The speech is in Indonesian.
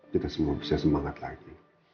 kita semua bisa semangat lagi